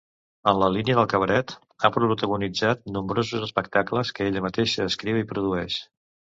En la línia del cabaret ha protagonitzat nombrosos espectacles, que ella mateixa escriu i produeix.